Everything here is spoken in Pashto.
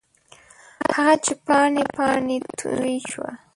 هغه چې پاڼې، پاڼې توی شوه